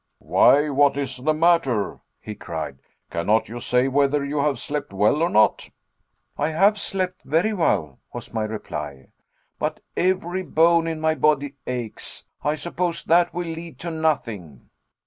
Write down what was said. "Why, what is the matter?" he cried. "Cannot you say whether you have slept well or not?" "I have slept very well," was my reply, "but every bone in my body aches. I suppose that will lead to nothing."